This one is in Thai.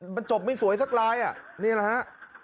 มันจบไม่สวยสักลายอ่ะนี่แหละฮะ